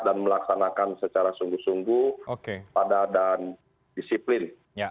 dan melaksanakan secara sungguh sungguh padat dan disiplin